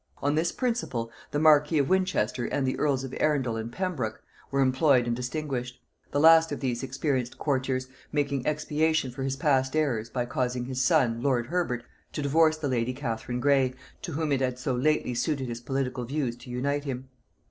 On this principle, the marquis of Winchester and the earls of Arundel and Pembroke were employed and distinguished; the last of these experienced courtiers making expiation for his past errors, by causing his son, lord Herbert, to divorce the lady Catherine Grey, to whom it had so lately suited his political views to unite him.